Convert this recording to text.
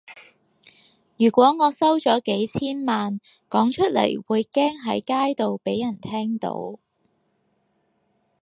如果我收咗幾千萬，講出嚟會驚喺街度畀人聽到